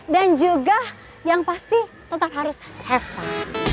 dan juga yang pasti tetap harus have fun